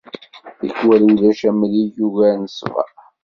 Tikwal ulac amrig yugaren ṣṣber.